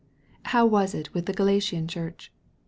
How was it with the Galatian Church